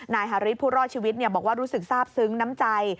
ฮาริสผู้รอดชีวิตบอกว่ารู้สึกทราบซึ้งน้ำใจ